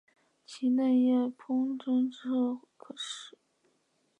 其嫩叶烹饪后可食。